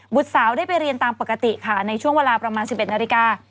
สาวได้ไปเรียนตามปกติค่ะในช่วงเวลาประมาณ๑๑นาฬิกา